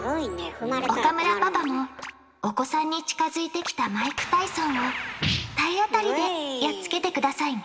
岡村パパもお子さんに近づいてきたマイク・タイソンを体当たりでやっつけて下さいね！